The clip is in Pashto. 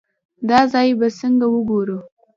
دا ځای به څنګه وګورو.